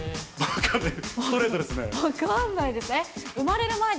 分かんないです。え？